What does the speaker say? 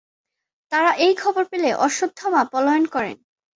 তারা এই খবর পেলে অশ্বত্থামা পলায়ন করেন।